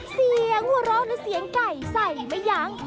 เสียงหัวเราะแล้วเสียงไก่ใส่มั้ยยัง